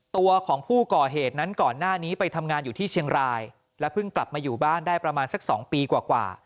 ตัวของผู้ก่อเหตุนั้นก่อนหน้านี้ไปทำงานอยู่ที่เชียงรายและเพิ่งกลับมาอยู่บ้านได้ประมาณสัก๒ปีกว่า